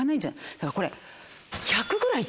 だからこれ。